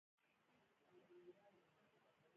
چې ټول خپلوان راسره دي.